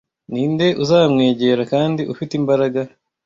ninde uzamwegera kandi ufite imbaraga